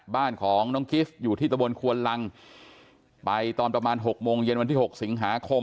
บ้านของน้องกิฟต์อยู่ที่ตะบนควนลังไปตอนประมาณหกโมงเย็นวันที่๖สิงหาคม